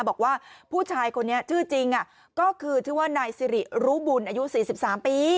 บอกว่าผู้ชายคนนี้ชื่อจริงก็คือชื่อว่านายสิริรู้บุญอายุ๔๓ปี